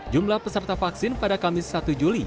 jumlah peserta vaksin pada kamis satu juli